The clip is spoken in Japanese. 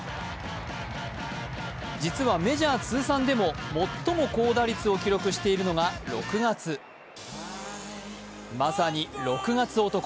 実はメジャー通算でも最も高打率を記録しているのが６月まさに６月男。